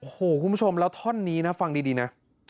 โอ้โหคุณผู้ชมแล้วท่อนนี้นะฟังดีนะ